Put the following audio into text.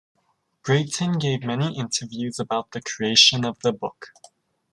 Breton gave many interviews about the creation of the book.